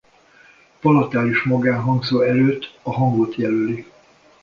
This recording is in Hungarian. Palatális magánhangzó előtt a hangot jelöli.